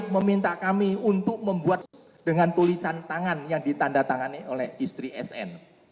meminta kami untuk membuat dengan tulisan tangan yang ditanda tangani oleh istri sn